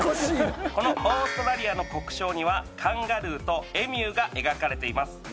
このオーストラリアの国章にはカンガルーとエミューが描かれています